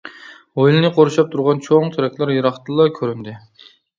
ھويلىنى قورشاپ تۇرغان چوڭ تېرەكلەر يىراقتىنلا كۆرۈندى.